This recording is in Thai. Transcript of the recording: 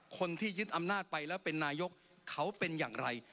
คนที่ยึดอำนาจไปแล้วเป็นนายกเขาเป็นอย่างไร